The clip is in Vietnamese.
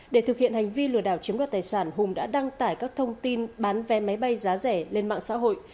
để thực hiện hành vi lừa đảo chiếm đoạt tài sản hùng đã đăng tải các thông tin bán vé máy bay giá rẻ lên mạng xã hội